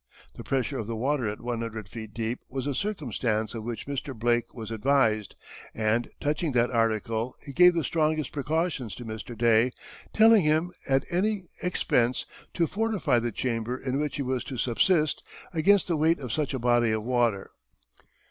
The pressure of the water at 100 feet deep was a circumstance of which Mr. Blake was advised, and touching that article he gave the strongest precautions to Mr. Day, telling him, at any expence, to fortify the chamber in which he was to subsist, against the weight of such a body of water.